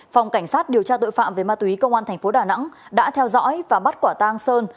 phòng cảnh sát điều tra tội phạm về ma túy công an tp đà nẵng đã theo dõi và bắt quả tang sơn